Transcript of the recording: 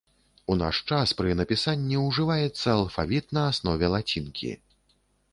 У наш час пры напісанні ўжываецца алфавіт на аснове лацінкі.